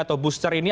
atau booster ini